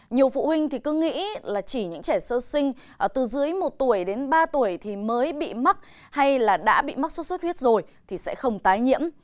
nhiều phụ huynh cứ nghĩ chỉ những trẻ sơ sinh từ dưới một tuổi đến ba tuổi mới bị mắc hay đã bị mắc xuất xuất huyết rồi thì sẽ không tái nhiễm